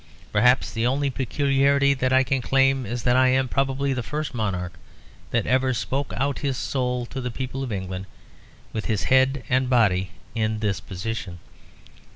Perhaps the only peculiarity that I can claim is that I am probably the first monarch that ever spoke out his soul to the people of England with his head and body in this position.